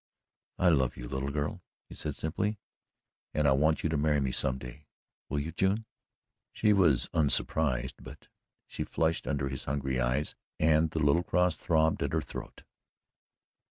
"I love you, little girl," he said simply, "and I want you to marry me some day will you, June?" She was unsurprised but she flushed under his hungry eyes, and the little cross throbbed at her throat.